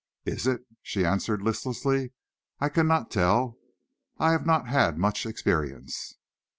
"Is it?" she answered listlessly. "I cannot tell. I have not had much experience."